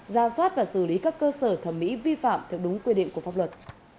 ra soát và xử lý các cơ sở thẩm mỹ vi phạm theo đúng quy định của pháp luật